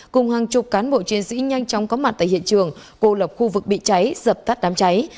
cùng hàng chục cán bộ chiến sĩ nhanh chóng có mặt tại hiện trường cô lập khu vực bị cháy dập tắt đám cháy